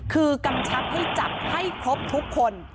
คือกำชับให้จับให้ครบทุกคน